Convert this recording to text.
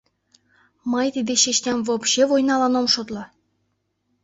Мый тиде Чечням вообще войналан ом шотло!